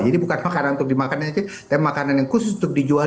jadi bukan makanan untuk dimakan saja tapi makanan yang khusus untuk dijual